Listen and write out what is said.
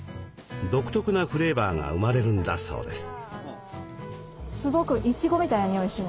独特なフレーバーが生まれるんだそうです。